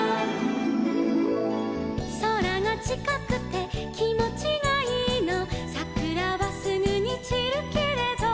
「空がちかくてきもちがいいの」「さくらはすぐに散るけれど」